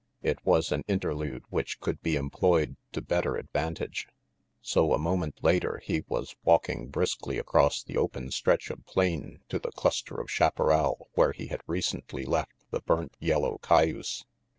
It was an inter lude which could be employed to better advantage. So a moment later he was walking briskly across the open stretch of plain to the cluster of chaparral where he had recently left the burnt yellow cayuse.